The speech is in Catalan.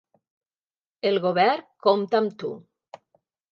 El govern compta amb tu.